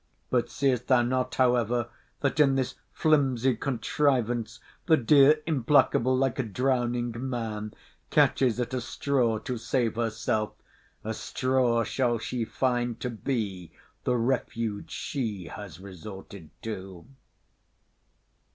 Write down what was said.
But seest thou not, however, that in this flimsy contrivance, the dear implacable, like a drowning man, catches at a straw to save herself!—A straw shall she find to be the refuge she has resorted to.